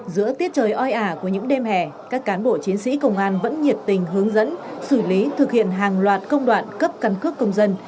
giữa tiết trời oi ả của những đêm hè các cán bộ chiến sĩ công an vẫn nhiệt tình hướng dẫn xử lý thực hiện hàng loạt công đoạn cấp căn cước công dân